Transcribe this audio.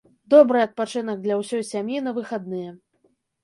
Добры адпачынак для ўсёй сям'і на выхадныя.